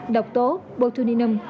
độc tố botulinum